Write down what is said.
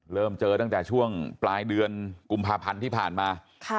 เริ่มเจอตั้งแต่ช่วงปลายเดือนกุมภาพันธ์ที่ผ่านมา